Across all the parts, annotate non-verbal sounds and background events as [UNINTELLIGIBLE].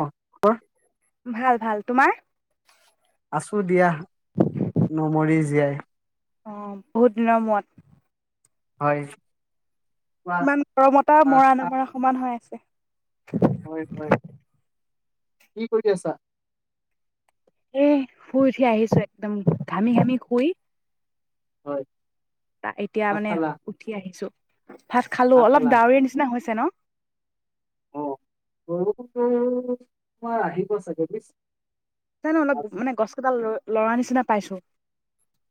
অ ভাল ভাল তোমাৰ?। আছো দিয়া, নমৰি জীয়াই। অ, বহুত দিনৰ মূৰত। হয়। কোৱা ইমান গৰমতা, আহ, মৰা আহ, নমৰা সমান হৈ, আছে। হয়, হয়, কি কৰি আছা? এ, শুই উঠি আহিছো একদম ঘামি, ঘামি শুই। হয়। তা, এতিয়া ভাত মানে খালা উঠি আহিছো, ভাত খালো অলপ ডাৱৰীৰ নিচিনা হৈছে, ন। বৰষুণতো তোমাৰ আহিব চাগে বুজিছ জানো অলপ মানে গছ কেইডাল ল, লৰা নিচিনা পাইছো।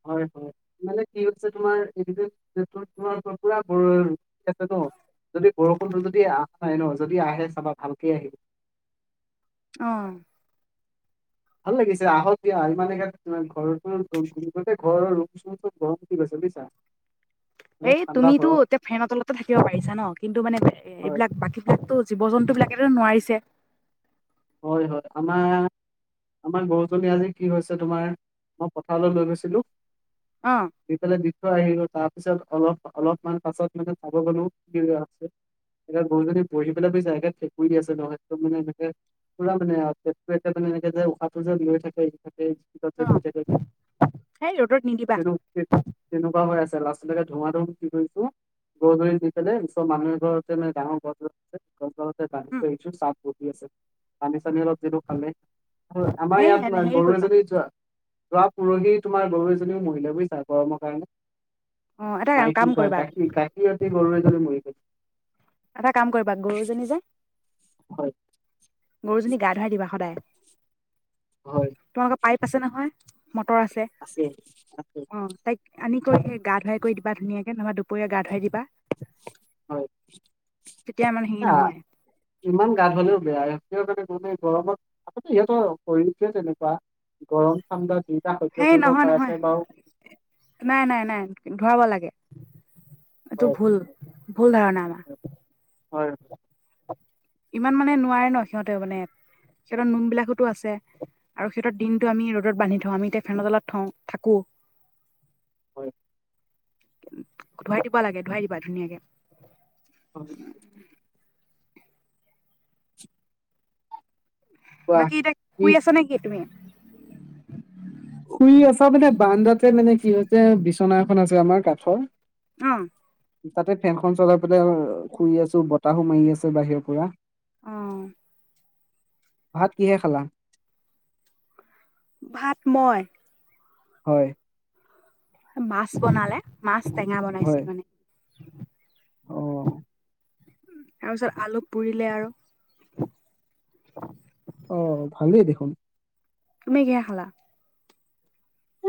হয়, হয়, মানে কি হৈছে তোমাৰ এইকেইদিন জেঠত তোমালোকৰ বৰ, ৰ'দ দি আছে, ন। যদি বৰষুণটো যদি আহা নাই ন, যদি আহে চাবা ভালকেই আহিব। অ'। ভাল লাগিছে আহক দিয়া। বিচনাতো গৰম উঠি গৈছে, বুজিছা। অলপ এই ঠাণ্ডা তুমিতো পৰক এতিয়া ফেনৰ তলতে থাকিব পাৰিছা ন, কিন্তু মানে এ, হয় এইবিলাক বাকী বিলাকতো জীৱ, জন্ত তো, বিলাকেতো নোৱাৰিছে। হয়, হয়, আমাৰ আমাৰ গৰুজনী আজি কি হৈছে, তোমাৰ, মই পথাৰলৈ লৈ গৈছিলো। অ [UNINTELLIGIBLE] তাৰ পিছত অলপ, অলপমান পাছত মানে চাব গলো কি হৈ, আছে। একেবে গৰুজনী বহি পেলাই বুজিছা একে ঠেঁকুৰী আছে, নহয়, একদম মানে এনেকে পুৰা মানে আৰু পেটতো একে মানে এনেক উশাহ যে লৈ থাকে, সেই অ তে সেই ৰ'দত নিদিবা [UNINTELLIGIBLE] তেনেকুৱা হৈ আছে। লৰাৱ লকে ধুৱা, ধুম কি কৰিছো গধূ দিব মানুহৰ ঘৰতে ডাঙৰ উম গছেৰাঙ চাত বি, আছে। পানী, চানী অলপ যদিটো খালে। আমাৰ সেই ইয়াত হেৰি গৰু কৰিবা এজনী যোৱা, যোৱা পুৰহি তোমাৰ গৰু এজনীও মহিলাও বুজিচা গৰমৰ কাৰণে। অ এটা মাই কাম কি কৰিবা কাকি, কাকিতি গৰমে ধলে মৰি খ এটা কাম কৰিবা, গৰুজনী যে হয়। গৰুজনী গা, ধুৱাই দিবা সদায়। হয়। তোমালোকৰ পাইপ আছে নহয়, মটৰ আছে আছে। অ, তাইক আনিকৈ স, গা, ধুৱাই কৰি দিবা, ধুনাকে নহয় দুপৰীয়া গা ধুৱ দিবা। হয়। তেতিয়া মানে হেৰি এ, নহয় ইমান গা, ধুৱালেও বেয়া। [UNINTELLIGIBLE] গৰমত আগতে ইহতৰ শৰীৰটোৱে তেনেকুৱা গৰম, ঠাণ্ডা দিন। হেই, নহয়, নহয়, নাই, নাই, নাই ধৱাব লাগে। এইটো হয় ভুল, ভুল ধাৰণা আমাৰ। হয়। ইমান মানে নোৱাৰে ন, সিহঁতেও মানে সিহঁতৰ নোম বিলাকোতো আছে। আৰু সিহঁতৰ দিনটো আমি ৰ'দত বান্ধি থওঁ আমি এতিয়া ফেনৰ তলত থওঁ, থাকো। [INAUDIBLE] হয়। ধুৱাই দিব লাগে, ধোৱাই দিবা ধুনীয়াকে। অ'। কোৱা বাকী এতিয়া কি শুই আছা নেকি, তুমি? শুই আছা মানে, বান্দাতে মানে কি হৈছে, বিচনা এখন আছে, আমাৰ কাঠৰ। উম। তাতে ফেনখন চলাই পেলাই শুই আছো বতাহো মাৰি আছে বাহিৰৰ পৰা। অহ। ভাত কিহে খালা? ভাত মই হয়। মাছ বনালে মাছ টেঙা হয় বনাইছিল মানে। অ [INAUDIBLE] তাৰপিছত আলু পুৰিলে আৰু। অ ভালেই দেখোন। তুমি কিহে খালা?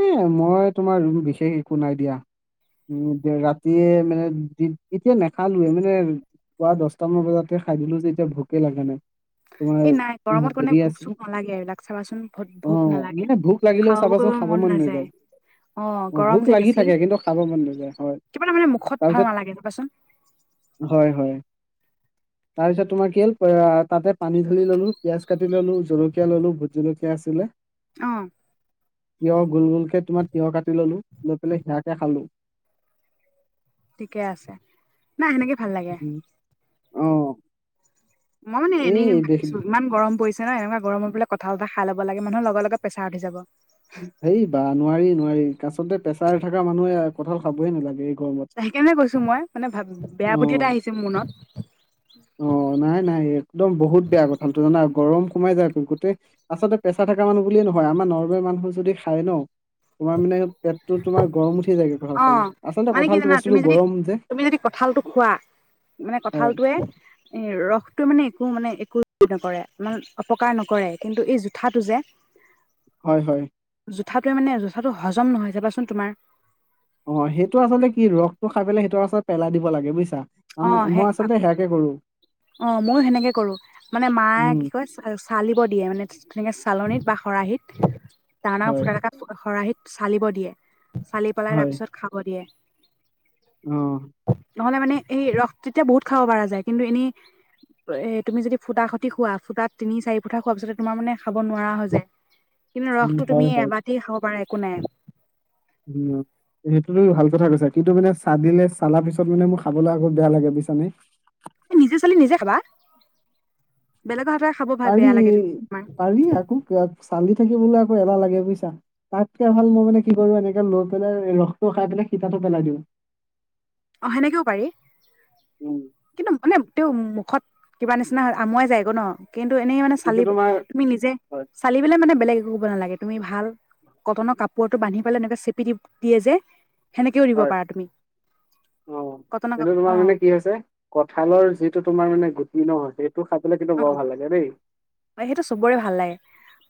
এ মই তোমাৰ ৰুম বিশেষ একো নাই দিয়া। উ ৰাতিয়ে মানে এতিয়া নেখালোয়ে মানে পুৱা দহটামান বজাতে খাই দিলো যে এতিয়া ভোকে লাগা নাই। তোমাৰ [INAUDIBLE] এই নাই উম, গৰমত গণে হেৰি ভোক আছিল চোক নালাগে আৰুিলাক চাবাচোন ভোক অ ভোক নালাগে মানে ভোক লাগিলেও খাব। চাবাচোন মন নাযায়। অ ভোক গৰম যে লাগি বেছি থাকে কিন্তু খাব মন নাযায় হয় কিবা মানে মুখত ভাল তাৰপিছত নালাগে ক'বাচোন। হয় হয়। [INAUDIBLE] তাৰপিছত তোমাৰ কি হ'ল তাতে পানী ঢালি ললো পিয়ঁয়াজ কাটি ললো জলকীয়া ললো ভোট জলকীয়া আছিলে। অহ। তিঁয়হ গোল গোলকে তোমাৰ তিঁয়হ কাটি ললো লৈ পেলাই সিয়াকে খালো। ঠিকে আছে না সেনেকে ভাল লাগে। আহ। মই মানে এনেই ভাবিছো ইমান গৰম পৰিছ নহ এনেকুৱ গৰমত বলে কঠা কা খাই লব লাগে মানুহ লগে লগোৰ উি যাব। হেই বাা নোৱাৰি নোৱাৰি কাছতে পেছাৰ থকা মানুহে কঁঠাল খাবহে নালাগে। গৰমত সেইকাৰণে গৈছো মই মানে ভাব বেয়া বুটি অ', এটা আহিছেো মোৰ মনত। অ, নাই নাই একদম বহুত বেয়া কথাালটো জানা গৰম সোমাই যায় গোটেই আচলতে প্ৰেছা থকা মানুহ বুলিয়ে নহয় আমাৰ নৰ্মেল মানুহ যদি খাই ন। তোমাৰ মানে পেটটো তোমাৰ গৰম উঠি যায়গে। কঁঠাল অ, খালে আচলতে 'মানে কি কঁঠালটো জানা বস্তুটো তুমি যদি গৰম যে তুমি যদি কঠালটো খোৱা। মানে হয় কঁঠালটয়ে এ ৰসটোটো মানে একো মান ন অ, নকৰে কিন্তু এই জোঠাটো যে হয়, হয়। জোঠাটোৱে মানে জোঠাতটো হজম নহয় চাবাচোন তোমাৰ অ', সেইটো আচলতে কি ৰস টো খাই পেলাই সেইটো আচলতে পেলাই দিব লাগে বুজছা। অ মই সেই আচলতে সেয়াকে কৰো। অ, ' ময়ো সেনেকে কৰো মানে মায়ে উম কি কয় চালিব দিয়ে মানে তেনেকে চালনীত বা খৰাহিত ত ডাঙৰ হয় ফুটা একা খৰাহিত চালিব দিয়ে। চালি পেলাই হয় তাৰপিছত খাব দিয়ে। অ', নহ'লে মানে এই ৰস তেতিয়া বহুত খাব পৰা যায়। কিন্তু এনেই এ তুমি যদি ফুটা সতি খোৱা ফুটাত তিনি চাৰি পুঠা খোৱা পিছত তোমাৰ মানে খাব নোৱাৰা হৈ যায়। কিন্তু উম ৰসটো তুমি হয় হয় এবতে খাব পাৰা একো নাই। উম, সেইটোত ভাল কথা কৈছা কিন্তু মানে চ দিলে চালাৰ পিছত মানে মোৰ খাবলৈ আকৌ বেয়া লাগে বুছান নে। এ নিজে ছোৱালী নিজে খাবা বেলেগৰ হতে পাৰি পাৰি আকৌ ক চালি থাকিবলৈ আকৌ এ লাগে বুজছা তাতকে ভাল মই মানে কি কৰো এনেকে লৈ পেলনে ৰসটো খাই পাই শীা থ লাগিব। অ, সেনেকেও পাৰি উম, কিন্তু মানে এইটো মুখত কিবা নিচিনা আমুৱাই যায়গে ন। কিন্তু এনেই মানে চালি কিন্তু তোমাৰ তুমি নিজে, হয় চালি পেললে মানে বেলেগ ব নালাগে, তুমি ভাল কটনৰ কাপোৰটো বান্ধি পেলাই এনেক চেপি দিয়ে যে। সেনেকেও দিব হয় পাৰা তুমি। অ, কটনৰ কিন্তটো কাপোৰ অ তোমাৰ মানে কি হৈছে, কঠালৰ যিটো তোমাৰ মানে গুটি নহয়, সেই ত, খাই পলে কিন্তু অ বৰ ভাল লাগে দেই।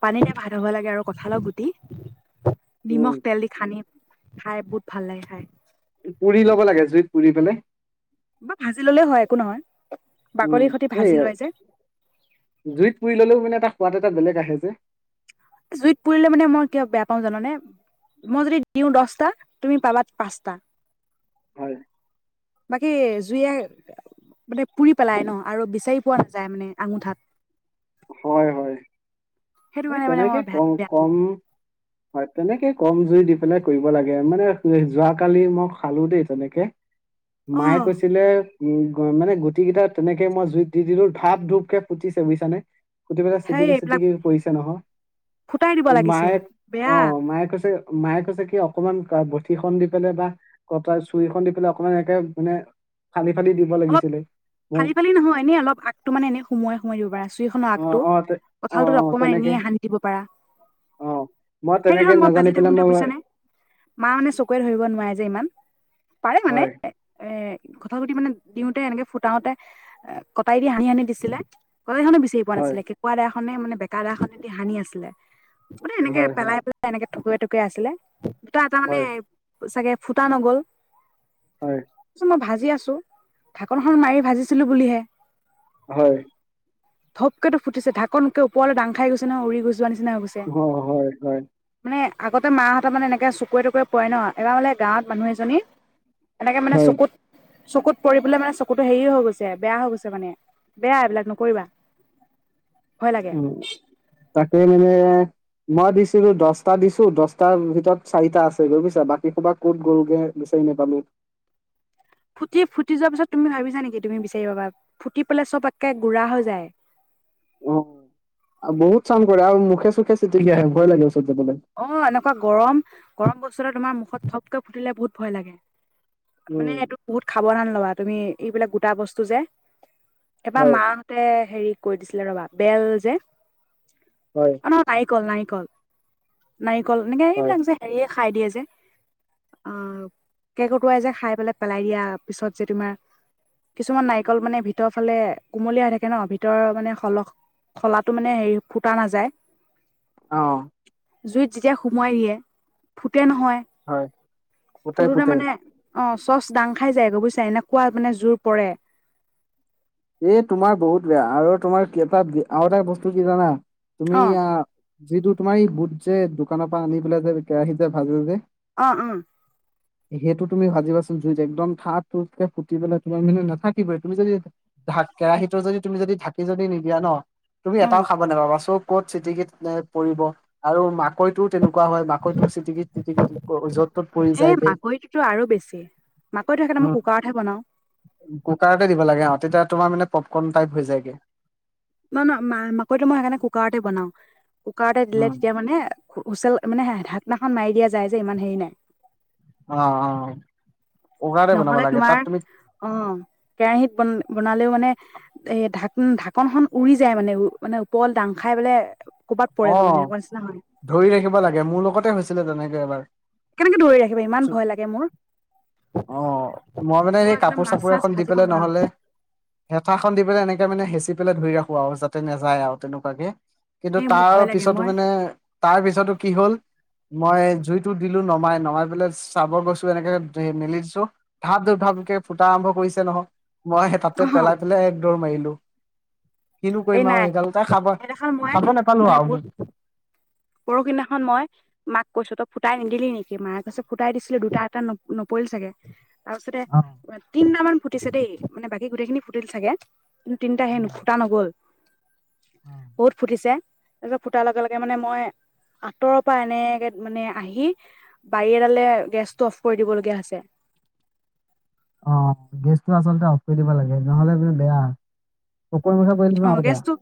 পানীৰে ভাত হ'ব লাগে। আৰু কঁঠালত গুটি উম, নিমখ তেল দি খানি খাই বহুত ভাল লাগে খাই। পুৰি ল'ব লাগে, জুইত পুৰি পানে। বা, ভাজি ললেও হয়, একো নহয়, উম, বাকলিৰ সতি এই ভাজি লয় যে। জুইত পুৰি ললেও মানে এটা সোৱাদ এটা বেলেগ আহে যে। জুইত পুৰিলে মানে মই কিয়া বেয়া পাওঁ জানানে। মই যদি দিওঁ দহটা, তুমি পাবা পাঁচটা। হয়। বাকী জুই মানে পুৰি পেলাই ন, আৰু বিচাৰি পোৱা নাযায় মানে, আঙুঠাক। হয়, হয়, এই কাৰণে মানে তেনেকে মই বেয়া কম, বেয়া পাওঁ কম হয়, তেনেকে কম জুই দি পেলাই কৰিব লাগে মানে, যোৱাকালি মই খালো দেই তেনেকে। অ মায়ে, কৈছিলে। উ, মানে গুটি কেইটা তেনেকে মই জুই দি, দিলো ধাপ, ধূপকে পুতিছে বুজছানে। সুটি পেলাই সেই চিটিকি, এইবিলাক চিটিকি পৰিছে নহয় ফুটাই দিব মায়ে লাগিছিল অ, বেয়া মায়ে কৈছে। মায়ে কৈছে কি অকনমান বঠি খন দি পেলাই বা ক, তাৰ চুৰিখন দি পেলাই অকমান এনেকে মানে ফালি ফালি দিব অলপ লাগিছিলে ফালি, মোৰ- ফালি নহয়। এনেই অলপ আগটো মানে এনেই সোমোৱাই সোমোৱাই দিব প, পৰা আছে। চুখনৰ অ আগটো অ তে- অ কঁঠালটোত অ অকমান তেনেকে এনেই হানি দিব পাৰা। অ মই হে, তেনেকে নহয় মই নাজানি বাজি থাকো পেলাই দে মই বুইছা নে মা, মানে চকুৰে ধৰিব নোৱাৰে যে ইমান। পাৰে মানে হয় এ, কথা পতি মানে দিওঁতে এনেকে ফুটাওতে কটাই দি, হানহি সানি দিছিলে, কটাইে বিচাৰি পোৱা হয় নাছিলে কেকা দে নে মানে বেকা দাখনেদি স, হানি আছিলে মানে, এনেকে হয় হয় পেলাই, পেলাই এনেকেকুৱে। আছিলে দুটা, এটা মানে হয় চাগে ফুটা নগল। হয় ত, মই ভাজি আছো ঢাকনখন মাৰি ভাজিছিলো বুলিহে। হয়। ধপকেতটো ফুটিছে, ঢাকনক ওৰলৈ ডা খাই গৈছে ন, উৰি গৈছে। যোৱা নিচিনা হৈ গৈছে অ' হয় হয় মানে। আগতে মাহঁত মানে এনেকৈ চকুৱৰে তটকুৰে পৰে ন, এবাৰানে গাঁৱত মানুহ এজনী এনেকে মানে হয় চকুত, চকুত। কৰিবলৈ মানে চকুতো হেৰি হৈ গৈছে, বেয়া হৈ গৈছে, মানে বেয়া এইবিলাক নকৰিবা। ভয় লাগে উ, তাক মে মই দিছিলো দশটা দিছো, দছটাৰ ভিতৰত চাৰিটা আছে, গু, পুছা বাকী সবা ক'ত গ'লগোৰ ন, পালো। ফুটি, ফুটি যোৱাৰ পিছত তুমি ভাবিছা নেকি তুমি বিচাৰি পাবা ফুটি পেলাই চব একে হৈ যায়। অ, বহুত চাম কৰে আৰু মুখে, চখে চিটিকি আহে ভয় লাগে। ওচৰত যাবলৈ অ, এনেকুৱা গৰম, গৰম বস্তুৰে তোমাৰ মুখত থপকৈ ফুটিলে বহুত ভয় লাগে। মানে উম এইটো বহুত খাবধান ল'বা তুমি এইবিলাক গোটা বস্তু যে এবাৰ হয় মাহঁতে হেৰি কৈ দিছিলে ৰ'বা বেল যে হয় অ, ন। নিক, নাৰিকল, নাৰিকল এনেকে হয় এইবিলাক যে হেৰিয়ে খাই দিয়ে যে অ, কেক উটুৱাই যে খাই পেলাই, পেলাই দিয়া পিছত যে, তোমাৰ কিছুমান নাৰিকল মানে ভিতৰৰ ফালে কুমলীয়া হৈ থাকে ন, ভিতৰৰ মানে সলখ খলাটো মানে হেৰি ফুটা নাযায়। অহ। জুইত যেতিয়া সুমোৱাই দিয়ে, ফু ফুটে নহয়, হয় পুতেই ফুটুতে পুতেই মানে অহ চ'চ দাং খাই যায় বুজিছা, এনেকুৱা মানে জোৰ পৰে। এই তোমাৰ বহুত বেয়া আৰু তোমাৰ কি এটা আৰু এটা বস্তু কি জানা, তুমি অ অহ যিটো তোমাৰ এই বুট যে দোকানৰ পৰা আনি পেলাই যে কেৰাহীত যে ভাজে যে। অহ', অহ'। সেইটো তুমি ভাজিবা চোন জুইত একদম থাপ-থুপ কে ফুটি পেলাই তোমাৰ মানে নাথাকিবই তুমি যদি ঢাক কেৰাহিতটোৰ যদি তুমি যদি ঢাকি যদি নিদিয়া ন, তুমি উম এটাও খাব নোপাবা চব ক'ত চিটিকি নাই পৰিব আৰু মা মাকৈটোও তেনেকুৱা হয় মাকৈটোও চিটিকি-চিটিকি য'ত ত'ত পৰি এই যায়গে। মাকৈটোতো আৰু বেছি মাকৈটো সেইকাৰণে মই উম, কুকাৰতহে বনাও কুকাৰতে দিব লাগে আহ তেতিয়া তোমাৰ মানে পপকৰ্ন টাইপ হৈ যায়গে। ন, ন, মাকৈটো মই সেইকাৰণে কুকাৰতে বনাওঁ। কুকাৰতে দিলে উম। তেতিয়া মানে হুচেল, মানে ঢাকনাখন মাৰি দিয়া যায় যে ইমান হেৰি নাই। অ', অ'। কুকাৰতে বনাব নহ'লে লাগে তোমাৰ তাত তুমি অহ, কেৰাহিত বন বনালেও মানে এ ঢাক-ঢাকনখন উৰি যায় মানে উ মানে ওপৰলে দাং খাই বোলে। অহ, ধৰি ৰাখিব লাগে। মোৰ লগতে হৈছিলে তেনেকে এবাৰ। কেনেকে ধৰি ৰাখিবা ইমান ভয় লাগে মোৰ। অহ, মই মানে সেই একদম মাছ কাপোৰ-চাপোৰ চাছ এখন দি ভাজিব পেলাই নোৱাৰো নহ'লে। হেঠাখন দি পেলাই এনেকে মানে হেঁচি পেলাই ধৰি ৰাখোঁ আৰু যাতে নাযায় আৰু তেনেকুৱাকে। কিন্তু এই মোৰ ভয় লাগে তাৰপিছতো মই মানে তাৰপিছতো কি হ'ল মই জুইতো দিলো নমাই, নমাই পেলাই চাবৰ গৈছো এনেকে মেলি দিছোঁ ধাপ-ধুপ ধাপ-ধুপ কে ফুটা আৰম্ভ কৰিছে নহয়, মই তাতে অহ পেলাই পেলে এক দৌৰ মাৰিলোঁ। কিনো এই কৰিম আৰু নাই সেই গালতে খাব, সেইদিনাখন খাব নাপালোঁ আৰু পৰশি দিনাখন মই মাক কৈছোঁ তই ফুটাই নিদিলি নেকি, মায়ে কৈছে ফুটাই দিছিলোঁ দুটা এটা ন নপৰি। চাগে, তাৰপিছতে অ', তিনটামান ফুটিছে দেই মানে বাকী গোটেইখিনি ফুটিল চাগে। কিন্ত তিনিটা অ হেনো ফুটা নগ'ল। অ বহুত ফুটিছে, তাৰপিছত ফুটাৰ লগে লগে মানে মই আঁতৰৰ পৰা এনেকে মানে আহি, বাৰী এডালে গেছটো অফ্ কৰি দিব লগীয়া হৈছে। ছে অহ, গেছটো আচলতে অফ্ কৰি দিব লাগে নহ'লে কিন্তু বেয়া। অ [UNINTELLIGIBLE] আগতে। গেছটো